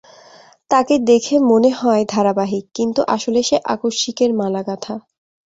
তাকে দেখে মনে হয় ধারাবাহিক, কিন্তু আসলে সে আকস্মিকের মালা গাঁথা।